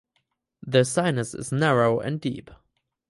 The sinus is narrow and deep.